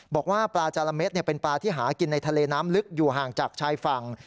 บอกว่าปลาจาระเม็ดเป็นปลาที่หากินในทะเลน้ำลึกอยู่ห่างจากชายฝั่ง